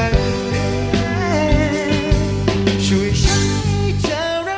ขอเชิญอาทิตย์สำคัญด้วยค่ะ